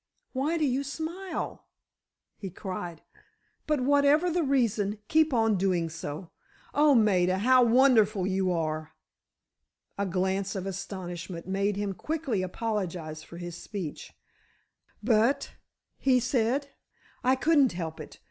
"Why do you smile?" he cried, "but whatever the reason, keep on doing so! Oh, Maida, how wonderful you are!" A glance of astonishment made him quickly apologize for his speech. "But," he said, "I couldn't help it.